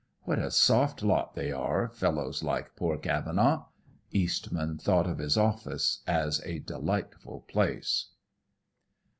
What a soft lot they are, fellows like poor Cavenaugh!" Eastman thought of his office as a delightful place.